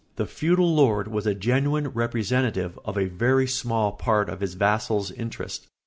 The feudal lord was a genuine representative of a very small part of his vassal's interests.